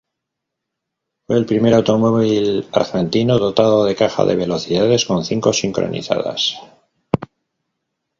Fue el primer automóvil argentino dotado de caja de velocidades con cinco sincronizadas.